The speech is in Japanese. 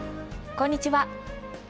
こんにちは。